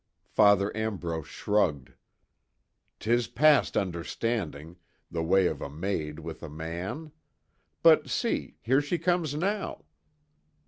Father Ambrose shrugged: "'Tis past understanding the way of a maid with a man. But see, here she comes, now."